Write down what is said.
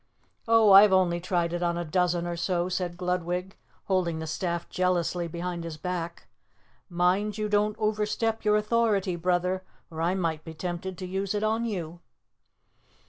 "Oh, I've only tried it on a dozen or so," said Gludwig, holding the staff jealously behind his back. "Mind you don't overstep your authority, brother, or I might be tempted to use it on you."